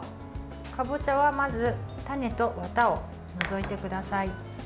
かぼちゃは、まず種とワタを除いてください。